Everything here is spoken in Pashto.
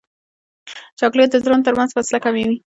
چاکلېټ د زړونو ترمنځ فاصله کموي.